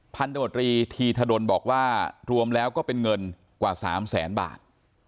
พันธุรกิจธรรมบอกว่ารวมแล้วก็เป็นเงินกว่า๓๐๐๐๐๐บาท